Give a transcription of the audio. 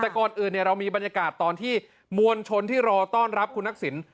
แต่ก่อนอื่นเรามีบรรยากาศตอนที่มวลชนที่รอต้อนรับคุณทักษิณ